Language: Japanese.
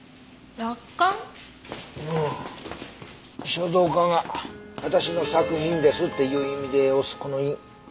書道家が私の作品ですっていう意味で押すこの印。